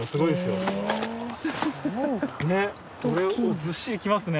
ずっしり来ますね。